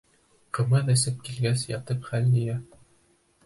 Ҡымыҙ эсеп килгәс, ятып хәл йыя.